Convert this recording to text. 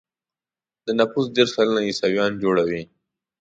د نفوسو دېرش سلنه يې عیسویان جوړوي.